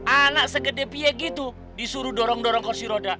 anak segede pie gitu disuruh dorong dorong kursi roda